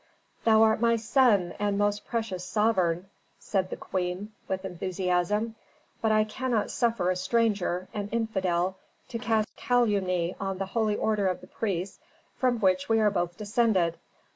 "Thou art my son and most precious sovereign," said the queen with enthusiasm, "but I cannot suffer a stranger, an infidel, to cast calumny on the holy order of the priests from which we are both descended.